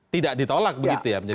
tidak ditolak begitu ya